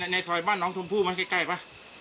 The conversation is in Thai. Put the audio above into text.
ในซอยบ้านน้องชมพู่มันใกล้ป่ะ